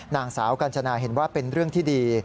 นางสาวกัญจนาเห็นว่าเป็นเรื่องที่ดี